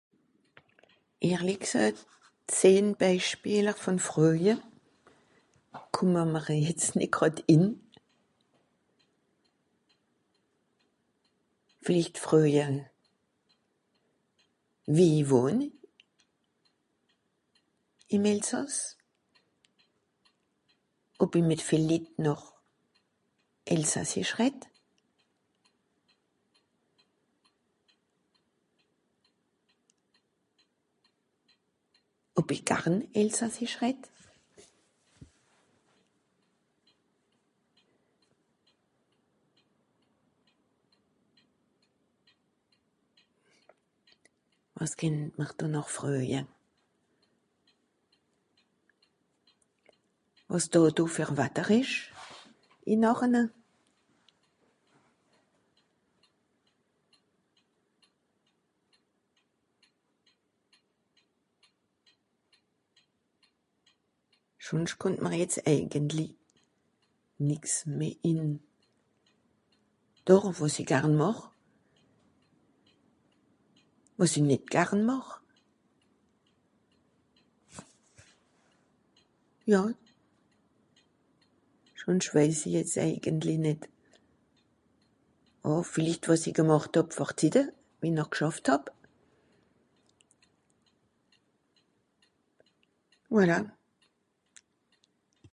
(...) zehn Bèispieler vùn Fröje. Kùmme mr jetz nìt gràd in. Vìllicht fröje, wie i wohn ? ìm Elsàss. Ob i mìt vìel Litt noch Elsassisch redd. Ob i garn Elsassisch redd. Wàs kennt mr do noch fröje. Wàs dàdo fer Watter ìsch ìn (...). Schùnsch kùmmt mr jetz èigentli nix meh in... doch wàs i garn màch. Wàs i nìt garn màch. Ja. schùnsch wèis i jetz èignentli nìt. Oh vìllicht wàs i gemàcht hàb vor Zitte. Wie-n-i gschàfft hàb. Voilà.